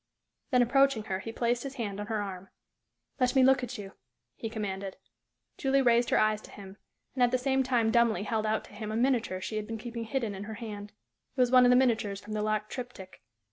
Then, approaching her, he placed his hand on her arm. "Let me look at you," he commanded. Julie raised her eyes to him, and at the same time dumbly held out to him a miniature she had been keeping hidden in her hand. It was one of the miniatures from the locked triptych.